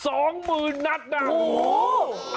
สองหมื่นนัดนะฮะโอ้โห